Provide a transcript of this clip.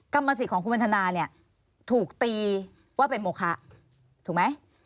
กรรมสิทธิ์ของคุณวันทนาเนี่ยถูกตีว่าเป็นโมคะถูกไหม